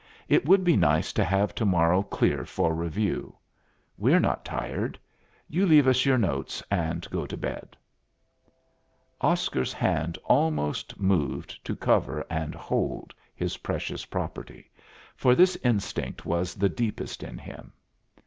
It would be nice to have to morrow clear for review. We're not tired. You leave us your notes and go to bed." Oscar's hand almost moved to cover and hold his precious property, for this instinct was the deepest in him.